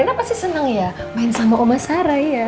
rena pasti senang ya main sama oma sarah ya